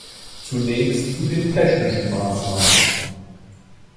Zunächst zu den technischen Maßnahmen.